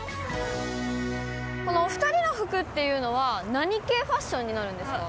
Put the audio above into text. お２人の服っていうのは何系ファッションになるんですか？